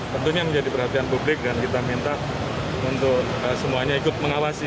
tentunya menjadi perhatian publik dan kita minta untuk semuanya ikut mengawasi